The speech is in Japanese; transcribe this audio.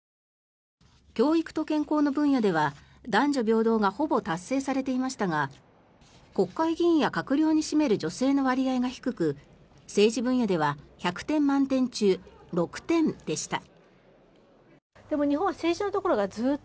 教育と健康の分野では男女平等がほぼ達成されていましたが国会議員や閣僚に占める女性の割合が低く政治分野では１００点満点中６点でした。